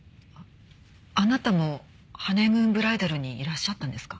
あなたもハネムーンブライダルにいらっしゃったんですか？